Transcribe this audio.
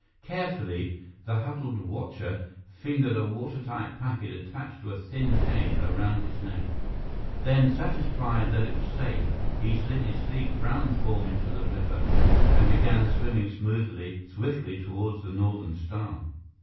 Carefully, the huddled watcher fingered a watertight packet attached to a thin chain around his neck; then, satisfied that it was safe, he slid his sleek, brown form into the river and began swimming smoothly, swiftly toward the Northern Star.